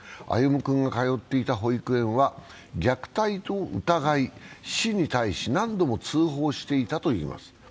歩夢君が通っていた保育園は、虐待と疑い市に対し何度も通報していたといいます。